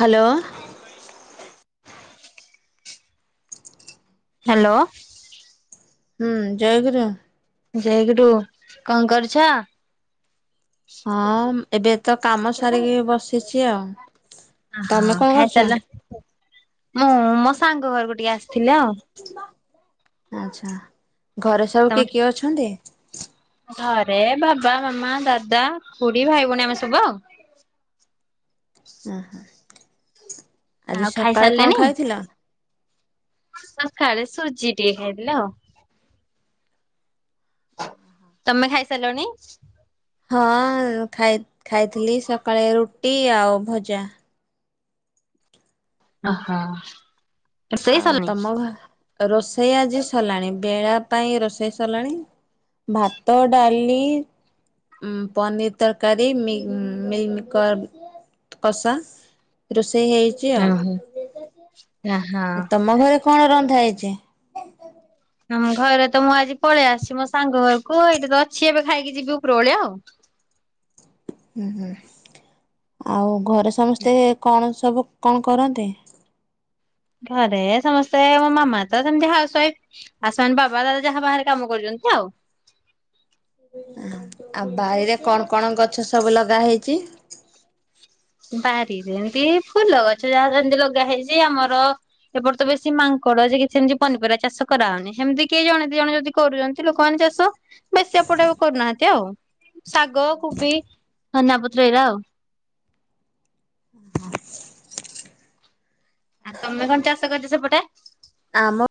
Hello. Hello. ହୁଁ ଜୟ ଗୁରୁ। ଜୟ ଗୁରୁୁ। କଣ କରୁଛ? ହଁ, ଏବେ ତ କାମ ସାରିକି ବସିଛି ଆଉ। ଓହୋ ତମେ କଣ କରୁଛ ଖାଇସାରିଲଣି? ମୁଁ ମୋ ସାଙ୍ଗ ଘରକୁ ଟିକେ ଆସିଥିଲି ଆଉ। ଆଚ୍ଛା। ଘରେ ସବୁ ତମେ କିଏ କିଏ ଅଛନ୍ତି? ଘରେ ବାବା ମାମା ଦାଦା ଖୁଡି ଭାଇ ଭଉଣୀ ଆମେ ସବୁ ଆଉ। ଉଁ ହୁଁ। ଆଜି ଆଉ ସକାଳେ କଣ ଖାଇସାରିଲେଣି? ଖାଇଥିଲ? ସକାଳେ ସୁଜି ଟିକେ ଖାଇଥିଲି ଆଉ। ତମେ ଖାଇ ସାରିଲଣି? ହଁ ଖାଇ ଖାଇଥିଲି ସକାଳେ ରୁଟି ଆଉ ଭଜା। ଅ ହଁ। ଆଉ ତମ ଘର ରୋଷେଇ ଆଜି ସରିଲାଣି। ବେଳା ପାଇଁ ରୋଷେଇ ସରିଲାଣି। ଭାତ, ଡାଲି ଉଁ ପନିର୍ ତରକାରୀ ମି ମିଲମୀକର କଷା ରୋଷେଇ ହେଇ [unintelligible] ଓହୋ। ଆଉ ତମ ଘରେ କଣ ରନ୍ଧା ହେଇଚି? ଆମ ଘରେ ତ ମୁଁ ଆଜି ପଳେଇ ଆସିଚି ମୋ ସାଙ୍ଗ ଘରକୁ ଏଇଟି ତ ଅଛି ଏବେ ଖାଇକି ଯିବି ଉପର ବେଳିଆ ଆଉ। ହୁଁ ହୁଁ। ଆଉ ଘରେ ସମସ୍ତେ କଣ ସବୁ କଣ କରନ୍ତି? ଘରେ ସମସ୍ତେ ମୋ ମାମା ତ ସେମତି ହାଉସ୍ ୱାଇଫ। ଆଉ ସେମାନେ ବାବା ଦାଦା ଯାହା ବାହାରେ କାମ କରୁଛନ୍ତି ଆଉ। ଅ ହଁ। ଆଉ ବାଇରେ ରେ କଣ କଣ ଗଛ ସବୁ ଲଗା ହେଇଚି? ବାରିରେ ଏମତି ଫୁଲ ଗଛ ଯାହା ଯେମିତି ଲଗା ହେଇଚି ଆମର ଏପଟେ ତ ବେଶୀ ମାଙ୍କଡ ଯେ କିଛି ହେମିତି ପନିପରିବା ଚାଷ କରାହଉନି। ହେମତି କିଏ ଜଣେ ଦି ଜଣ ଯଦି କରୁଛନ୍ତି ଲୋକମାନେ ଚାଷ, ବେଶୀ ଏପଟେ ଆଉ କରୁନାହାନ୍ତି ଆଉ। ଶାଗ, କୁବି ଧନିଆ ପତ୍ର ଏଇରା ଆଉ। [unintelligible] ଆଉ ତମେ କଣ ଚାଷ କରିଚ ସେପଟେ? ଆମ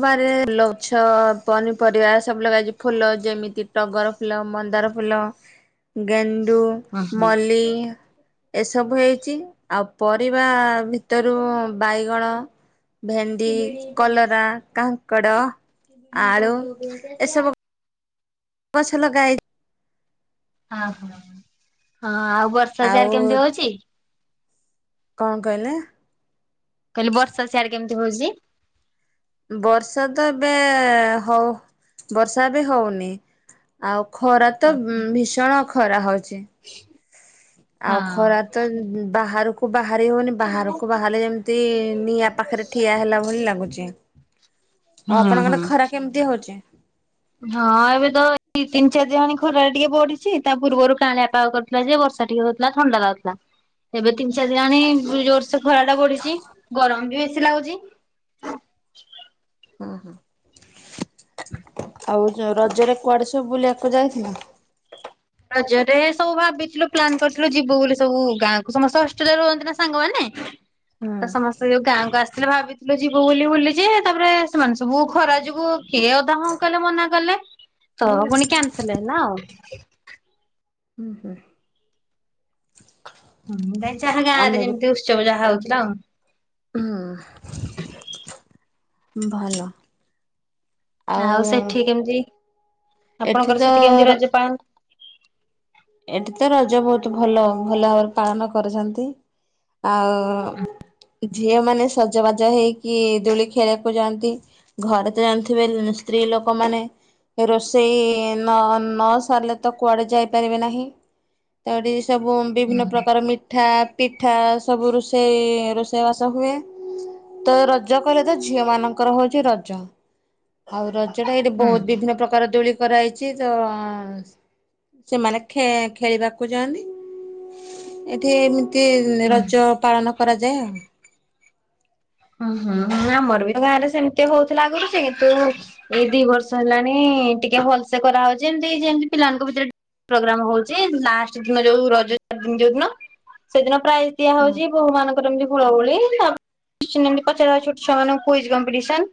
ବାରିରେ ଫୁଲ ଗଛ ପନିପରିବା ସବୁ ଲଗାହେଇଚି। ଫୁଲ ଯେମିତି ଟଗର ଫୁଲ, ମନ୍ଦାର ଫୁଲ, ଗେଣ୍ଡୁ, ହଁ ହଁ ମଲ୍ଲୀ ଏସବୁ ହେଇଚି। ଆଉ ପରିବା ଭିତରୁ ବାଇଗଣ ଭେଣ୍ଡି, କଲରା, କାଙ୍କଡ, ଆଳୁ ଏସବୁ ଗଛ ଲଗାହେଇ ଅ ହଁ। ଆଉ ବର୍ଷା ଆଉ ସିଆଡେ କେମିତି ହଉଚି? କଣ କହିଲେ? କହିଲି ବର୍ଷା ସିଆଡେ କେମିତି ହଉଚି? ବର୍ଷା ତ ଏବେ ହଉ ବର୍ଷା ଏବେ ହଉନି। ଆଉ ଖରା ତ ଭୀଷଣ ଖରା ହଉଚି। ହଁ ଆଉ ଖରା ତ ବାହାରକୁ ବାହାରି ହଉନି ବାହାରକୁ ବାହାରିଲେ ଯେମ୍ ମତେ ନିଆଁ ପାଖରେ ଠିଆ ହେଲା ଭଳି ଲାଗୁଛି। ଆଉ ହୁଁ ଆପଣଙ୍କ ଆଡ଼େ ହୁଁ। ଖରା କେମିତି ହଉଛି? ହଁ ଏବେ ତ ଏଇ ତିନି ଚାରି ଦିନ ହେଲାଣି ଖରାଟା ଟିକେ ବଢିଛି ତା ପୂର୍ବରୁ କାଆଁଳିଆ ପାଗ କରିଥି ବର୍ଷା ଟିକେ ହେଉଥିଲା, ଥଣ୍ଡା ଲାଗୁଥିଲା। ହ [unintelligible] ଏବେ ତିନି ଚାରି ଦିନ ହେଲାଣି ଜୋରସେ ଖରା ଟା ବଢିଛି ଗରମ ବି ବେଶୀ ଲାଗୁଛି। ହଁ ହଁ, ଆଉ ରଜରେ କୁଆଡେ ସବୁ ବୁଲିବାକୁ ଯାଇଥିଲେ? ରଜରେ ସବୁ ଭାବିଥିଲୁ ପ୍ଲାନ୍ କରିଥିଲୁ ଯିବୁ ବୋଲି ସବୁ ଗାଁକୁୁ, ସମସ୍ତେ ହଷ୍ଟେଲରେ ରୁହନ୍ତି ନା ସାଙ୍ଗମାନେ। ହୁଁ ତ ସମସ୍ତେ ଯୋଉ ଗାଁକୁ ଆସି ହେଲେ ଭାବିଥିଲୁ ଯିବୁ ବୋଲି ବୁଲି ଯେ, ତାପରେ ସେମାନେ ସବୁ ଖରା ଯୋଗୁ କିଏ ଅଧା ହଁ କଲେ ମନା କଲେ। ତ ପୁଣି କ୍ୟାନ୍ସେଲ ହେଲା ଆଉ। ହୁଁ ହୁଁ ନାଇଁ ଯାହା ଗାଁ ଆମେ ରେ ବି ଯେମିତି ଉତ୍ସବ ଯାହା ହଉଥିଲା ଆଉ। ହୁଁ, ଭଲ। ଆଉ ସେଠି କେମିତି ଆପଣଙ୍କର ଏଠିତ ସେଠି କେମିତି ର ରଜ ପାଳନ ଏଠିତ ରଜ ବହୁତ ଭଲ ଭଲ ଭାବରେ ପାଳନ କରଛନ୍ତି। ଆଉ ଝିଅ ମାନେ ସଜବାଜ ହେଇକି ଦୋଳି ଖେଳିବାକୁ ଯାଆନ୍ତି। ଘରେ ତ ଜାଣିଥିବେ ସ୍ତ୍ରୀ ଲୋକମାନେ ରୋଷେଇ ନ ନ ସାରିଲେ ତ କୁଆଡେ ଯାଇପାରିବେ ନାହିଁ। ସବୁ ହୁଁ ବିଭିନ୍ନ ପ୍ରକାର ମି ମିଠା, ପିଠା ସବୁ ରୋଷେଇ ରୋଷେଇବାସ ହୁଏ। ତ ରଜ କହିଲେ ତ ଝିଅ ମାନଙ୍କର ହଉଛି ରଜ। ଆଉ ରଜଟା ଏଇଠି ହୁଁ ବହୁତ ବିଭିନ୍ନ ପ୍ରକାରର ଦୋଳି କରାହେଇଛି ତ ସେମାନେ ଖେ ଖେଳିବାକୁ ଯାଆନ୍ତି, ଏଠି ଏମିତି ହୁଁ। ରଜ ପାଳନ କରାଯାଏ ଆଉ। ହୁଁ ହୁଁ ହୁଁ, ଆମର ବି ତ ଗାଁରେ ସେମିତି ହଉଥିଲା ଆଗରୁ। ସେ କିନ୍ତୁ ଏଇ ଦି ବର୍ଷ ହେଲାଣି ଟିକେ ଭଲସେ କରାହେଉଛି ଏମତି ଯେମତି ପିଲାମାନଙ୍କ ଭିତରେ ପ୍ରୋଗ୍ରାମ ହଉଛି ଲାଷ୍ଟ ଦିନ ଯୋଉ ରଜ ଚାରିଦିନ ଯୋଉ ଦିନ ସେଦିନ ପ୍ରାୟ ଦିଆ ଆଉ। ହଉଛି ଭଗବାନଙ୍କର ଏମିତି ହୁଳହୁଳି। [unintelligible] ଛୋଟ ଛୁଆମାନଙ୍କ କୁଇଜ୍ କମ୍ପିଟେସନ୍।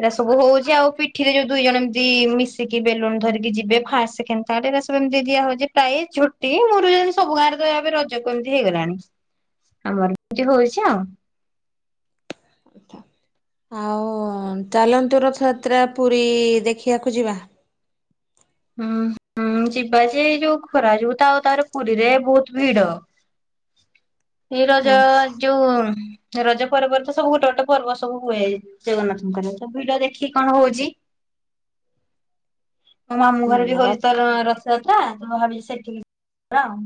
ଏଇରା ସବୁ ହଉଛି ଆଉ ପିଠିରେ ଯୋଉ ଦୁଇ ଜଣ ଏମିତି ମିଶିକି ବେଲୁନ ଧରିକି ଯିବେ ଫାଷ୍ଟ, ସେକେଣ୍ଡ ଏଇରା ସବୁ ଏମିତି ଦିଆ ହଉଛି ପ୍ରାଇଜ୍, ଝୋଟି, ମୁରୂଜ ଏମିତି ସବୁ ଗାଁରେ ପ୍ରାୟ ଏବେ ରଜକୁ ଏମିତି ହେଇଗଲାଣି। ଆମର ବି ଏମତି ହଉଛି ଆଉ। ଆ ତା ଆଉ ଚାଲନ୍ତୁ ରଥଯାତ୍ରା ପୁରୀ ଦେଖିବାକୁ ଯିବା। ହୁଁ ହୁଁ ଯିବା ଯେ, ଏ ଯୋଉ ଖରା ଯୋଗୁ ତ ଆଉ ତାପରେ ପୁରୀରେ ବହୁତ ଭିଡ। [inaudible] ହଁ ରଜ ପର୍ବରେ ତ ସବୁ ଗୋଟେ ଗୋଟେ ପର୍ବ ସବୁ ହୁଏ ଜଗନ୍ନାଥଙ୍କର ସବୁ ଭିଡ ଦେଖି କଣ ହଉଛି। ମୋ ମାମୁଁ ଘରେ ବି ର ହଉଛି ତ ରଥଯାତ୍ରା ତ ଭାବିଛି ସେଠିକି ଯିବା ଆଉ।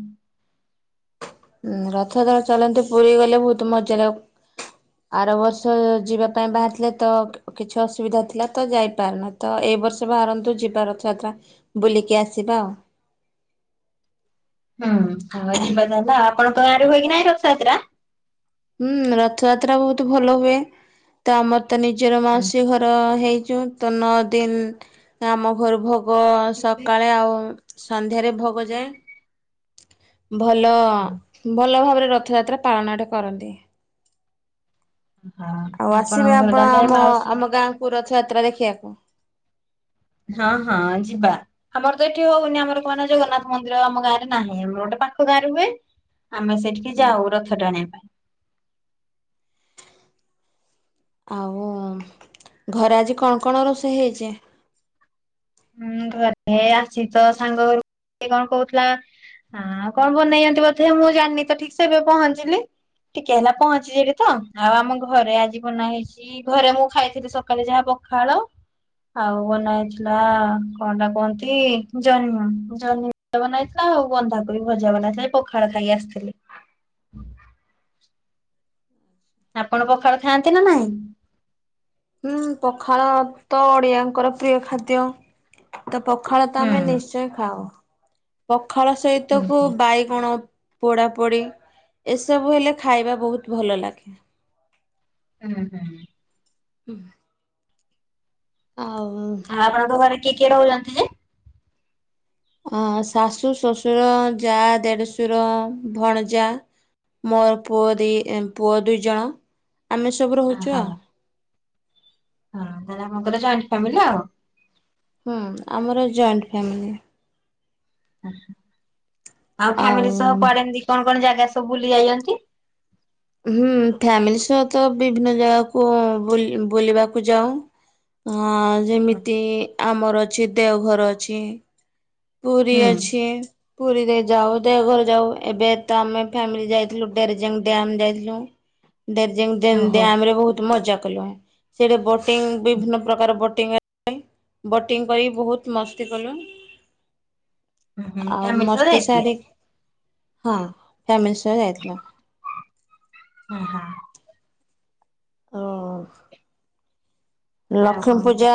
ହୁଁ ରଥଯାତ୍ରା ରେ ଚାଲନ୍ତୁ ପୁରୀ ଗଲେ ବହୁତ ମଜା ଲା ଆର ବର୍ଷ ଯିବା ପାଇଁ ବାହାରିଥିଲେ ତ କିଛି ଅସୁବିଧା ଥିଲା ତ ଯାଇପାରିନୁ, ତ ଏଇ ବର୍ଷ ବାହାରନ୍ତୁ ଯିବା ରଥଯାତ୍ରା। ବୁଲିକି ଆସିବା ଆଉ। ହୁଁ, ହଉ ଯିବା ତାହେଲେ ଆଉ। ଆପଣଙ୍କ ଗାଁରେ ହୁଏକି ନାହିଁ ରଥଯାତ୍ରା। ହୁଁ ରଥଯାତ୍ରା ବହୁତ ଭଲ ହୁଏ। ତ ଆମର ତ ନିଜର ମାଉସୀ ଘର ହେଇଛୁ। ତ ନଅ ଦିନ ଆମ ଘରୁ ଭୋ ଗ ସକାଳେ ଆଉ ସନ୍ଧ୍ୟାରେ ଭୋଗ ଯାଏ। ଭଲ ଭଲ ଭାବରେ ରଥଯାତ୍ରା ପାଳନଟେ କରନ୍ତି। ଆଉ ହଁ ଆପଣଙ୍କ ଆସିବେ ଘର ଆପଣ ତାହେଲେ ଆମ ମାଉସୀ ଆମ ଗାଁକୁ ରଥଯାତ୍ରା ଦେଖିବାକୁ। ହଁ ହଁ ଯିବା। ଆମର ତ ଏଠି ହଉନି। ଆମର ଲୋକମାନେ ଜଗନ୍ନାଥ ମନ୍ଦିର ଆମ ଗାଁରେ ନାହିଁ। [unintelligible] ଟେ ପାଖ ଗାଁ ର ହୁଏ। ଆମେ ସେଠିକି ଯାଉ ରଥ ଟାଣିବା ପାଇଁ। ଆଉ ଘରେ ଆଜି କଣ କଣ ରୋଷେଇ ହେଇଚି? ହୁଁ ଘରେ [inaudible] ଆସିଛି ତ ସାଙ୍ଗ ଘରକୁ କିଏ କଣ କହୁଥିଲା? ହଁ କଣ ବନେଇନ୍ତି ବୋଧେ ମୁଁ ଜାଣିନି ତ ଠିକ୍ ସେ ଏବେ ପହଞ୍ଚିଲି। ଟିକେ ହେଲା ପହଞ୍ଚିଯିଵିତ। ଆଉ ଆମ ଘରେ ଆଜି ବନା ହେଇଛି ଦ୍ୱି ପହରେ ମୁଁ ଖାଇଥିଲି ସକାଳେ ଯାହା ପଖାଳ ଆଉ ବନା ହେଥିଲା। ଲା କଣ ଟା କହନ୍ତି? ଜହ୍ନିମ ଜହ୍ନି ବନାହେଇଥିଲା ଆଉ ବନ୍ଧାକୋବି ବି ଭଜା ବନାହେଇଥିଲା। ପଖାଳ ଖାଇକି ଆସିଥିଲି। ଆପଣ ପଖାଳ ଖାଆନ୍ତି ନା ନାହିଁ? ହୁଁ ପଖାଳ ତ ଓଡ଼ିଆଙ୍କର ପ୍ରିୟ ଖାଦ୍ୟ। ତ ପଖାଳ ତ ହୁଁ ଆମେ ନିଶ୍ଚୟ ଖାଉ। ପଖାଳ ସହିତ ହୁଁ କୁ ହୁଁ ବାଇଗଣ ପୋଡ଼ା ପୋଡ଼ି ଏସବୁ ହେଲେ ଖାଇବା ବହୁତ ଭଲ ଲାଗେ। ହୁଁ ହୁଁ। ହୁଁ। ଆଉ ଆଉ ଆପଣଙ୍କ ଘରେ କିଏ କିଏ ରହୁଛନ୍ତି ଯେ? ଅ ଶାଶୁ, ଶ୍ୱଶୁର, ଯା, ଦେଢ଼ଶୁର, ଭଣଜା। ମୋର ପୁଅ ଦି ଇଂଏ ପୁଅ ଦୁଇ ଜଣ ଆମେ ସବୁ ରହୁଛୁ ଓହୋ ଆଉ। ହଁ ତାହେଲେ ଆପଣଙ୍କର ଜଏଣ୍ଟ ଫ୍ୟାମିଲି ଆଉ। ହୁଁ ଆମର ଜଏଣ୍ଟ ଫ୍ୟାମିଲି। ଆଉ ଫ୍ୟାମିଲି ସହ କୁଆଡେ ଏମିତି କଣ, କଣ ଜାଗା ସବୁ ବୁଲି ଯାଇଛନ୍ତି? ହୁଁ ଫ୍ୟାମିଲି ସହ ତ ବିଭିନ୍ନ ଜାଗାକୁ ବୁଲି ବୁଲିବାକୁ ଯାଉ। ହଁ ଯେମିତି ଆମର ଅଛି ଦେଓଘର ଅଛି। ପୁରୀ ହୁଁ। ଅଛି। ପୁରୀରେ ଯାଉ, ଦେଓଘର ଯାଉ, ଏବେ ତ ଆମେ ଫ୍ୟାମିଲି ଯାଇଥିଲୁ ଡେରଜେଙ୍ଗ ଡ୍ୟାମ ଯାଇଥିଲୁ। ହ [unintelligible] ଡେରଜ୍ୟାଙ୍ଗ ଡେନ ଓହୋ ଡ୍ୟାମ ରେ ବହୁତ ମଜା କଲୁ। ସେଇଠି ବୋଟିଂ ବିଭିନ୍ନ ପ୍ରକାର ବୋଟିଂ [unintelligible] ବୋଟିଂ କରି ବହୁତ ମସ୍ତି [inaudible] କଲୁ। [inaudible] ହୁଁ ଆଉ ଫ୍ୟାମିଲି ସହ ମସ୍ତି ଯାଇଥିଲେ ସାରି, ହଁ ଫ୍ୟମିଲି ସହ ଯାଇଥିଲୁ। [unintelligible] ହଁ ହାଁ। ଓ [unintelligible] ଆଉ ଲକ୍ଷ୍ମୀ କଣ କୁହ? ପୂଜା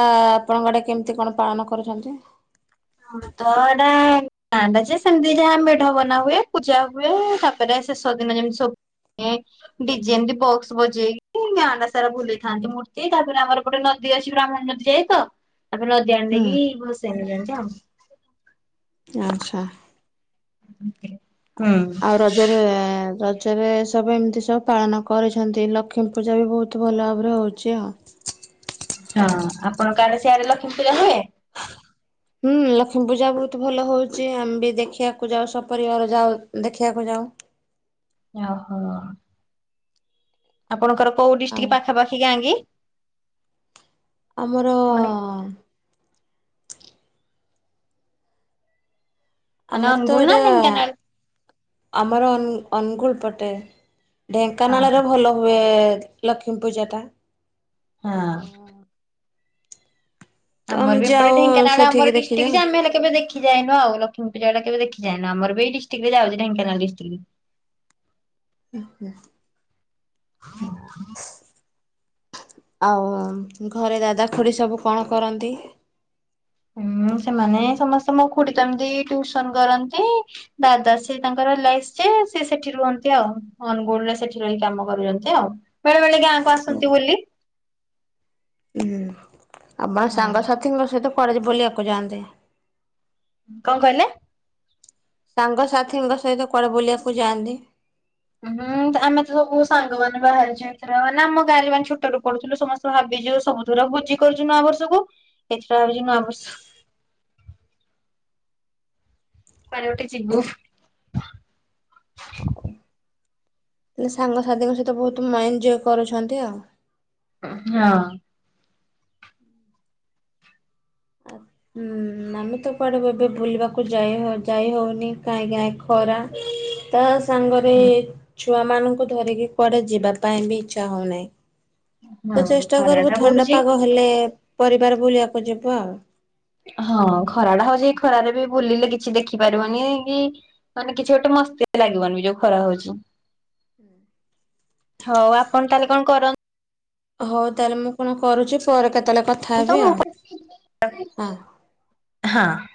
କଣ ଗୋଟେ କେମିତି କଣ ପାଳନ କରୁଛନ୍ତି? ତଳ ଡ୍ୟାମ [unintelligible] ନାଟା ଯେ ସେମିତି ଯାହା ମେଢ ବନା ହୁଏ। ପୂଜା ହୁଏ। ତାପରେ ଶେଷ ଦିନ ଯେମିତି ସବୁ ଏଁ ଡିଯେ ଏମିତି ବକ୍ସ ବଜେଇକି ଗାଁଟା ସାରା ବୁଲେଇଥାନ୍ତି। ମୂର୍ତ୍ତି ତାପରେ ଆମର ଗୋଟେ ନଦୀ ଅଛି। ବ୍ରାହ୍ମଣୀ ନଦୀ ଯାଇ ତ ତାପରେ ନଦୀ ଡ୍ୟାମ ହୁଁ ନେଇକି ବସେଇନି ଜାଣିଛ ଆଉ [unintelligible] ଆଚ୍ଛା। ହୁଁ। ଆଉ ରଜରେ ରଜରେ ସବୁ ଏମିତି ସବୁ ପାଳନ କରିଛନ୍ତି ଲକ୍ଷ୍ମୀ ପୂଜା ବି ବହୁତ ବହୁତ ଭଲ ଭାବରେ ହଉଛି ଆଉ। ହଁ ଆପଣଙ୍କ ଆଡେ ସିଆଡେ ଲକ୍ଷ୍ମୀପୂଜା ହୁଏ। [inaudible] ହୁଁ ଲକ୍ଷ୍ମୀ ପୂଜା ବହୁତ ଭଲ ହଉଛି ଆମେ ବି ଦେଖିବାକୁ ଯାଉ ସପରିବାର ଯାଉ ଦେଖିବାକୁ ଯାଉ। ଓହୋ ଆପଣଙ୍କର କୋଉ ଆଉ ଡିଷ୍ଟିକ ପାଖାପାଖି ଗାଁ କି? ଆମର ମାନେ ମାନେ ଆମର ତ ଅନୁଗୁଳ ନା ଏଇଟା ଢେଙ୍କାନାଳ? ଆମର ଅନୁ ଅନୁଗୁଳ ପଟେ ଓହୋ ଢେଙ୍କାନାଳରେ ଭଲ ହୁଏ ଲକ୍ଷ୍ମୀ ପୂଜାଟା। ହଁ। ତମେ ଆମର ବି ଯାଅ ଏପଟେ ଢେଙ୍କାନାଳ ସେଠିକି ଆମର ଡିଷ୍ଟ୍ରିକଟ ଦେଖିଯାଅ। ଯେ ଆମେ ହେଲେ କେବେ ଦେଖି ଦେଖି ଯାଇନୁ ଆଉ ଲଷ୍ମୀପୂଜାଟା କେବେ ଦେଖି ଯାଇନୁ ଆମର ଏଇ ଡିଷ୍ଟିକ ରେ ଯାଉ ଢେଙ୍କାନାଳ ଡିଷ୍ଟିକ୍ ରେ। [inaudible] [inaudible] ଆଉ ଘରେ ଦାଦା ଖୁଡି ସବୁ କଣ କରନ୍ତି? ହୁଁ ସେମାନେ ସମସ୍ତେ ମୋ ଖୁଡି ତ ଏମିତି ଟ୍ୟୁସନ କରନ୍ତି। ଦାଦା ସି ତାଙ୍କର ଏଲାଇସ ଯେ ସେ ସେଠି ରୁହନ୍ତି ଆଉ ଅନୁଗୁଳରେ ସେଠି ରହି କାମ କରୁଛନ୍ତି ଆଉ। ବେଳେ ବେଳେ ଗାଁକୁ ଆସନ୍ତି ବୁଲି। ହୁଁ ଆପଣ ସାଙ୍ଗସାଥିଙ୍କ ସହିତ କୁଆଡେ ବୁଲିବାକୁ ଯାଆନ୍ତି? କଣ କହିଲେ? ସାଙ୍ଗସାଥିଙ୍କ ସହିତ କୁଆଡେ ବୁଲିବାକୁ ଯାଆନ୍ତି? ହୁଁ ଆମେ ତ ସବୁ ସାଙ୍ଗ ମାନେ ବାହାରିଚୁ ଏଇଥିର ନା ଆମ ଗାଁରେ ମାନେ ଛୋଟ ରୁ ପଢ଼ୁଥିଲୁ ସମସ୍ତେ ଭାବିଛୁ ସବୁଥର ଭୁଜି କରୁଛୁ ନୂଆବର୍ଷକୁ ଏଥିର ବି ନୂଆବର୍ଷ କୁଆଡେଗୋଟେ ଯିବୁ? ହଉ ହେଲେ ସାଙ୍ଗସାଥିଙ୍କ ସହିତ ବହୁତ ମେଞ୍ଜୟ କରୁଛନ୍ତି ଆଉ। ହଁ। ଆ ହୁଁ ଆମେ ତ କୁଆଡେ ଏବେ ବୁଲିବାକୁ ଯାଇ ଯାଇ ହଉନି କାହିଁ କାଁ ଖରା ତ ସାଙ୍ଗରେ ଛୁଆମାନଙ୍କୁ ଧରିକି କୁଆଡେ ଯିବା ପାଇଁ ବି ଇଚ୍ଛା ହଉନାହିଁ। ତ ହଁ ଚେଷ୍ଟା ଖରା କରିବୁ ଟା ଥଣ୍ଡା ପଡୁଛି ପାଗ ହେଲେ ପରିବାର ବୁଲିବାକୁ ଯିବୁ ଆଉ। ହଁ ଖରା ଟା ହଉଛି ଏଇ ଖରାରେ ବି ବୁଲିଲେ କିଛି ଦେଖି ପାରିବନି କି ମାନେ କିଛି ଗୋଟେ ମସ୍ତି ଲାଗିବନି ଯୋଉ ଖରା ହଉଛି। [inaudible] ହଉ ଆପଣ ତାହେଲେ କଣ କରନ୍ତ? ହଉ ତାହେଲେ ମୁଁ କଣ କରୁଛି ପରେ କେତଲେ କଥା ହେବି ଆଉ ହଁ। [unintelligible] ହଁ।